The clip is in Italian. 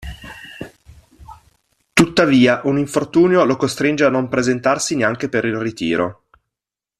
Tuttavia un infortunio lo costringe a non presentarsi neanche per il ritiro.